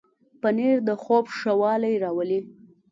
پنېر د خوب ښه والی راولي.